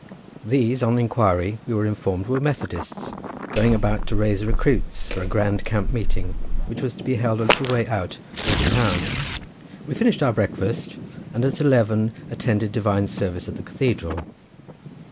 These, on inquiry, we were informed, were Methodists, going about to raise recruits for a grand camp meeting, which was to be held a little way out of the town. We finished our breakfast, and at eleven attended divine service at the cathedral.